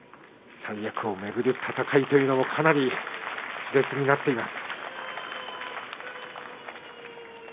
三役を巡る戦いというのもかなりしれつになっています。